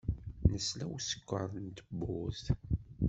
Nesla i usekkeṛ n tewwurt.